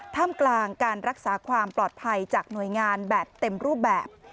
ท่ามกลางการรักษาความปลอดภัยจากหน่วยงานแบบเต็มรูปแบบ